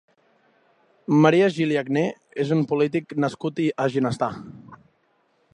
Marià Gil i Agné és un polític nascut a Ginestar.